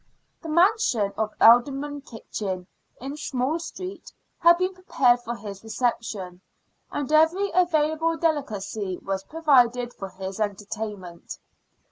The mansion of Alderman Kitchin, in Small Street, had been prepared for his reception, and every available delicacy was provided for his entertainment.